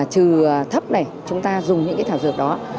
trừ thấp này chúng ta dùng những cái thảo dược đó